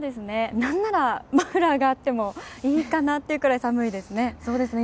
何ならマフラーがあってもいいくらい寒いですね。